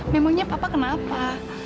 memangnya papa kenapa